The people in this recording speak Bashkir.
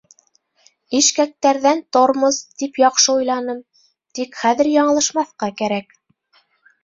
Ишкәктәрҙән тормоз, тип яҡшы уйланым, тик хәҙер яңылышмаҫҡа кәрәк.